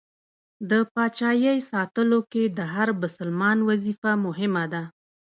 د پاچایۍ ساتلو کې د هر بسلمان وظیفه مهمه ده.